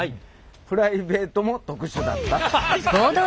プライベートも特殊だった。